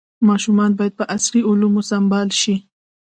ماشومان باید په عصري علومو سمبال شي.